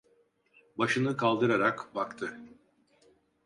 Başını kaldırarak baktı.